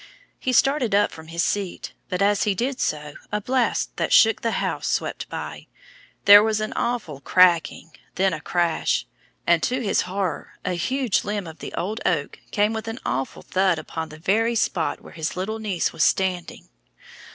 He started up from his seat, but as he did so a blast that shook the house swept by; there was an awful cracking, then a crash, and, to his horror, a huge limb of the old oak came with an awful thud upon the very spot where his little niece was standing.